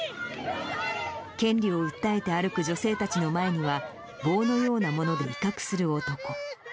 権利を訴えて歩く女性たちの前には、棒のようなもので威嚇する男。